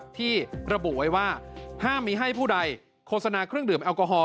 ที่ระบุไว้ว่าห้ามมีให้ผู้ใดโฆษณาเครื่องดื่มแอลกอฮอล